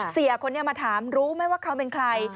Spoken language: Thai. เสียคนนี้มาถามรู้ไหมว่าเขาเป็นใคร